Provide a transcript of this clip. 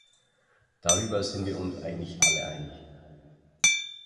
Darüber sind wir uns eigentlich alle einig.